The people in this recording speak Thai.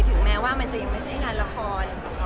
ถึงแม้ว่ามันจะยังไม่ใช่งานละคร